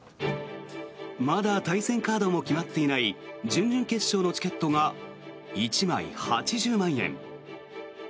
まだ対戦カードも決まっていない準々決勝のチケットが１枚８０万円。